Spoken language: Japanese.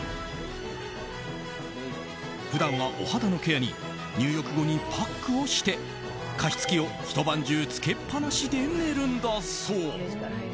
普段はお肌のケアに入浴後にパックをして加湿器をひと晩中つけっぱなしで寝るんだそう。